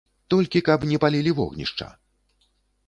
Толькі каб не палілі вогнішча!